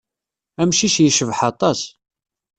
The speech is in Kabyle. Amcic yecbaḥ aṭas.